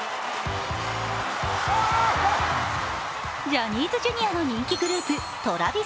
ジャニーズＪｒ．の人気グループＴｒａｖｉｓＪａｐａｎ。